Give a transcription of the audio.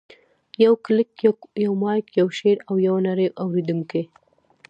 یو کلیک، یو مایک، یو شعر، او یوه نړۍ اورېدونکي.